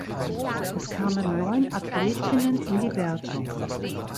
Es kamen neun Athletinnen in die Wertung.